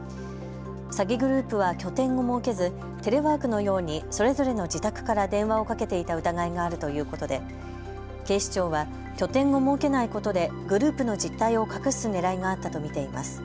詐欺グループは拠点を設けずテレワークのようにそれぞれの自宅から電話をかけていた疑いがあるということで警視庁は拠点を設けないことでグループの実態を隠すねらいがあったと見ています。